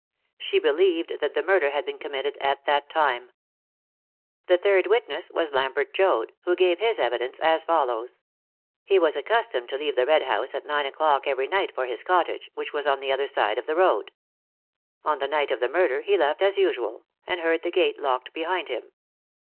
She believed that the murder had been committed at that time. The third witness was Lambert Joad, who gave his evidence as follows: He was accustomed to leave the Red House at nine o'clock every night for his cottage, which was on the other side of the road. On the night of the murder he left as usual, and heard the gate locked behind him.